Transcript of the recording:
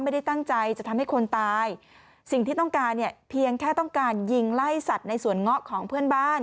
ไม่ได้ตั้งใจจะทำให้คนตายสิ่งที่ต้องการเนี่ยเพียงแค่ต้องการยิงไล่สัตว์ในสวนเงาะของเพื่อนบ้าน